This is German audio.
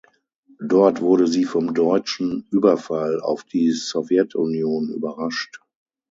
Dort wurde sie vom deutschen Überfall auf die Sowjetunion überrascht.